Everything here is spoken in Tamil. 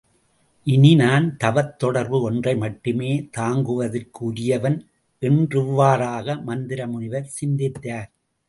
இனி நான் தவத் தொடர்பு ஒன்றை மட்டுமே தாங்குவதற்கு உரியவன் என்றிவ்வாறாக மந்தர முனிவர் சிந்தித்தார்.